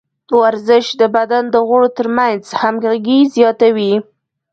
ورزش د بدن د غړو ترمنځ همغږي زیاتوي.